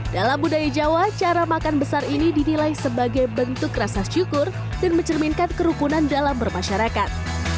dalam budaya jawa cara makan besar ini dinilai sebagai bentuk rasa syukur dan mencerminkan kerukunan dalam bermasyarakat